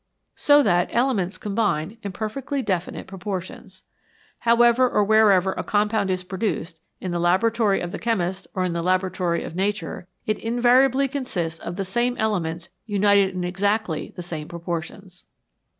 So that elements combine in perfectly definite proportions. However or wherever a compound is pro duced, in the laboratory of the chemist or in the laboratory of Nature, it invariably consists of the same elements united in exactly the same proportions.